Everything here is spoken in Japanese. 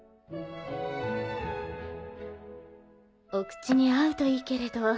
お口に合うといいけれど。